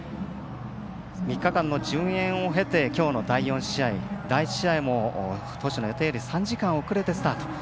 ３日間の順延を経てきょうの４試合第１試合も当初の予定よりも３時間遅れてスタート。